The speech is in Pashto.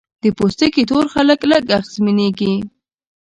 د پوستکي تور خلک لږ اغېزمنېږي.